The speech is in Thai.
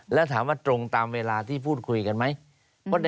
แล้วถามว่าตรงตามเวลาที่พูดคุยกันไหม